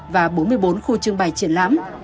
và bốn mươi bốn khu trường bày triển lãm